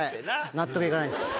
納得いかないです。